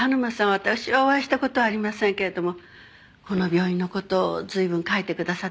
私はお会いした事はありませんけれどもこの病院の事を随分書いてくださってるんですよ。